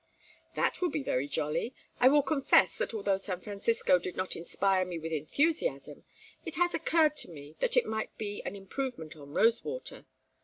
"That will be very jolly. I will confess that although San Francisco did not inspire me with enthusiasm, it has occurred to me that it might be an improvement on Rosewater....